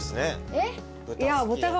えっ？